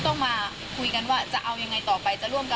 ตอนนี้คือเอาแต่ลูกอย่างเดียวล่ะ